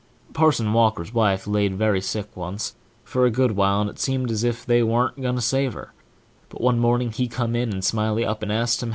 Parson Walker's wife laid very sick once, for a good while, and it seemed as if they warn't going to save her; but one morning he come in, and Smiley asked ho! !